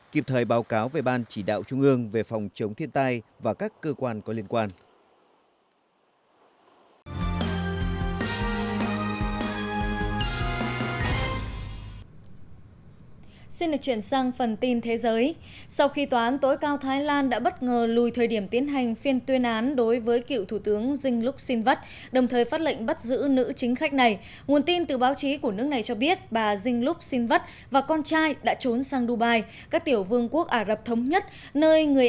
kịp thời báo cáo về ban chỉ đạo trung ương về phòng chống thiên tai và các cơ quan có liên quan